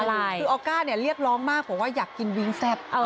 คือออก้าเนี่ยเรียกร้องมากบอกว่าอยากกินวิ้งแซ่บ